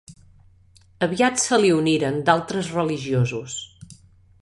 Aviat se li uniren d'altres religiosos.